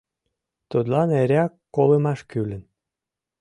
Тудлан эреак колымаш кӱлын.